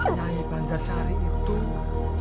nyanyi banjar sari itu